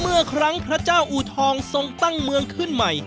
เมื่อครั้งพระเจ้าอูทองทรงตั้งเมืองขึ้นใหม่